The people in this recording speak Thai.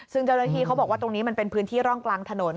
ซึ่งเจ้าหน้าที่เขาบอกว่าตรงนี้มันเป็นพื้นที่ร่องกลางถนน